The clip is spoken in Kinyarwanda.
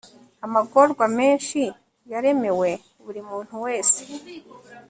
amagorwa menshi yaremewe buri muntu wese